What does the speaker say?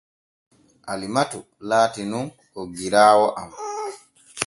Alimatu laati nun oggiraawo am.